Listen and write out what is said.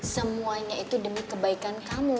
semuanya itu demi kebaikan kamu